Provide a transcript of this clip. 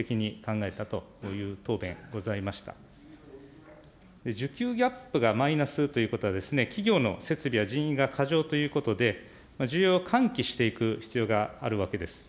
じゅきゅうギャップがマイナスということはですね、企業の設備や人員が過剰ということで、需要を喚起していく必要があるわけです。